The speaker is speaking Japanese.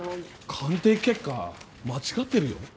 鑑定結果間違ってるよ。